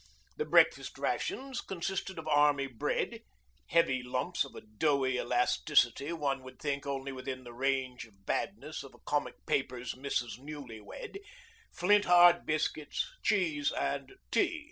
The breakfast rations consisted of Army bread heavy lumps of a doughy elasticity one would think only within the range of badness of a comic paper's 'Mrs. Newlywed' flint hard biscuits, cheese, and tea.